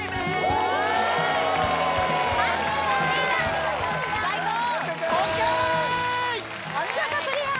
お見事クリア！